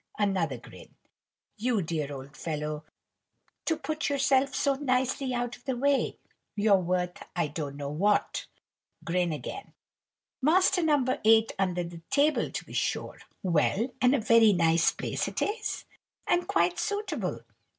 Another grin. "You dear old fellow, to put yourself so nicely out of the way! You're worth I don't know what." Grin again. "Master No. 8 under the table, to be sure! Well, and a very nice place it is, and quite suitable.